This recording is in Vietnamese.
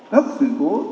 cấp sự cố